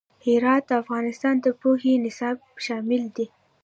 هرات د افغانستان د پوهنې نصاب کې شامل دی.